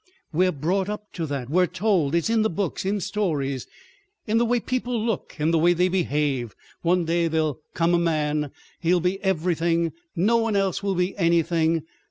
"We're brought up to that. We're told—it's in books, in stories, in the way people look, in the way they behave—one day there will come a man. He will be everything, no one else will be anything.